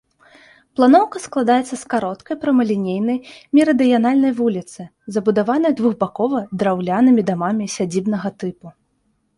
Планоўка складаецца з кароткай прамалінейнай мерыдыянальнай вуліцы, забудаванай двухбакова драўлянымі дамамі сядзібнага тыпу.